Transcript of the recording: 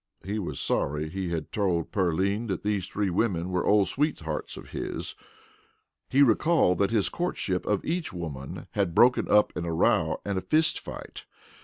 He was sorry he had told Pearline that those three women were old sweethearts of his. He recalled that his courtship of each woman had broken up in a row and a fist fight.